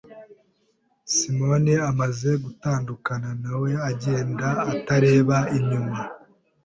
Simoni amaze gutandukana na we, agenda, atareba inyuma.